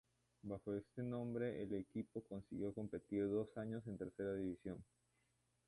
Bajo este nombre el equipo consiguió competir dos años en Tercera División.